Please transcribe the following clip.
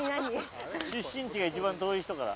出身地が１番遠い人から。